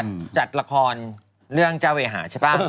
จัดละครเรื่องเจ้าเวหาใช่ป่ะ